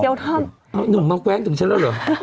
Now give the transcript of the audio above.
ฉันนิ่งมาแว่งตัวฉันแล้วเหรอ